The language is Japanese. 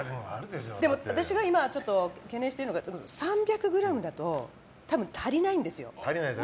でも、私が今ちょっと懸念してるのが３００ｇだと多分、足りないんですよ。